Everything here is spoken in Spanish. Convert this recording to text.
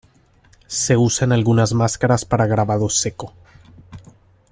Se usa en algunas máscaras para grabado seco.